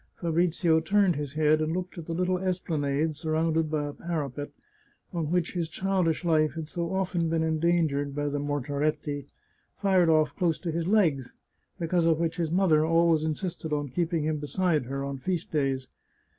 Fabrizio turned his head and looked at the little esplanade, surrounded by a parapet, on which his childish life had so often been endangered by the ntortaretti, fired off close to his legs, because of which his mother always insisted on keeping him beside her, on feast days.